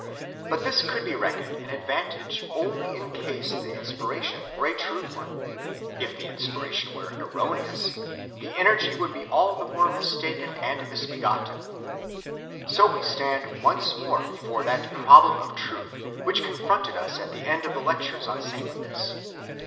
But this could be reckoned an advantage only in case the inspiration were a true one. If the inspiration were erroneous, the energy would be all the more mistaken and misbegotten. So we stand once more before that problem of truth which confronted us at the end of the lectures on saintliness.